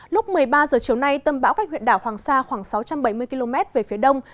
lúc một mươi ba h chiều nay tâm bão cách huyện đảo hoàng sa khoảng sáu trăm bảy mươi km về phía đông